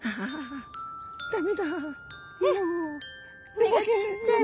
目がちっちゃい。